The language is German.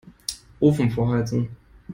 Ofen vorheizen.